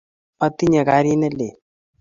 Atinye garit nelel.